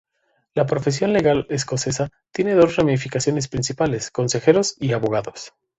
La profesión legal escocesa tiene dos ramificaciones principales, consejeros y abogados.